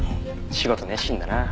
仕事熱心だな。